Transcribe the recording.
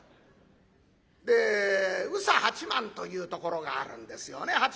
で宇佐八幡というところがあるんですよね。